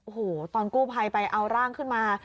โอ้โหตอนกู้ภัยไปเอาร่างขึ้นมา